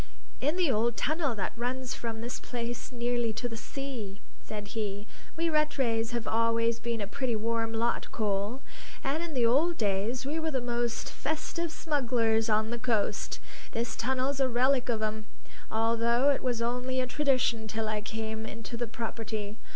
"In the old tunnel that runs from this place nearly to the sea," said he. "We Rattrays have always been a pretty warm lot, Cole, and in the old days we were the most festive smugglers on the coast; this tunnel's a relic of 'em, although it was only a tradition till I came into the property.